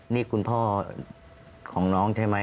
นี่คุณพ่อของน้องใช่ไหม